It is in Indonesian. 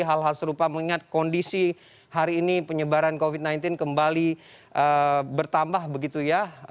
hal hal serupa mengingat kondisi hari ini penyebaran covid sembilan belas kembali bertambah begitu ya